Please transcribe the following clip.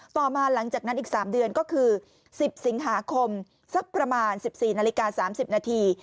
ต่อมาหลังจากนั้นอีก๓เดือนก็คือ๑๐สิงหาคมสักประมาณ๑๔นาฬิกา๓๐นาที